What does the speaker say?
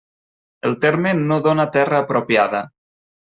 El terme no dóna terra apropiada.